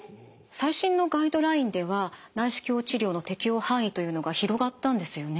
最新のガイドラインでは内視鏡治療の適応範囲というのが広がったんですよね？